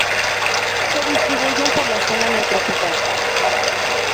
Se distribuyen por la zona Neotropical.